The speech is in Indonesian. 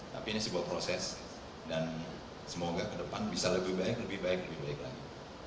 tapi ini sebuah proses dan semoga ke depan bisa lebih baik lebih baik lebih baik lagi